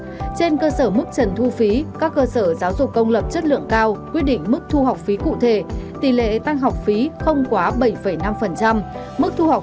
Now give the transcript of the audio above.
trên cơ sở mức trần thu phí các cơ sở giáo dục công lập chất lượng cao quyết định mức thu học phí cụ thể tỷ lệ tăng học phí không quá bảy năm mức thu học phí trường hợp học trực tuyến bảy mươi năm mức học phí trực tiếp